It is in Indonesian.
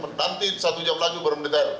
nanti satu jam lagi baru mendengar